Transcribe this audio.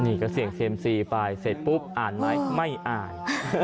นี่ก็เสี่ยงเซียมซีไปเสร็จปุ๊บอ่านไหมไม่อ่าน